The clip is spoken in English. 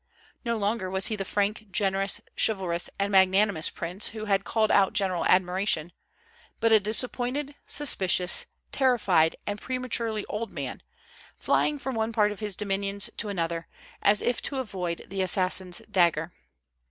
No longer was he the frank, generous, chivalrous, and magnanimous prince who had called out general admiration, but a disappointed, suspicious, terrified, and prematurely old man, flying from one part of his dominions to another, as if to avoid the assassin's dagger.